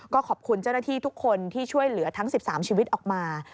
ก็ขอบคุณเจ้าหน้าที่ทุกคนที่ช่วยเหลือทั้ง๑๓ชีวิตออกมา